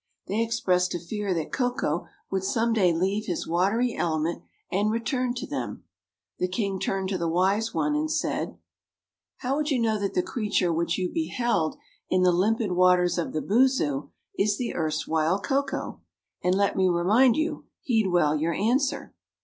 They expressed a fear that Koko would some day leave his watery element and return to them. The king turned to the wise one and said: "How know you that the creature which you beheld in the limpid waters of the Boozoo is the erstwhile Koko? and let me remind you, heed well your answer."